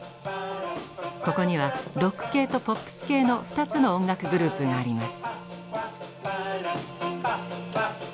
ここにはロック系とポップス系の２つの音楽グループがあります。